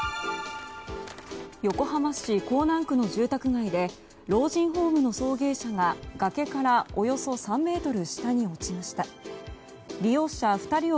横浜市港南区の住宅街で老人ホームの送迎車が崖からおよそ３ｍ下に落ちました。